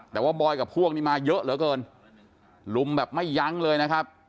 แต่ว่าบอยกับพวกนี้มาเยอะเหลือเกินลุมแบบไม่ยั้งเลยนะครับ